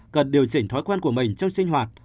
cần điều chỉnh thói quen của mình trong sinh hoạt